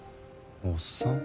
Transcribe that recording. おっさん？